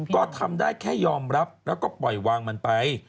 ก็ทำได้แค่ยอมรับแล้วก็ปล่อยวางมันไป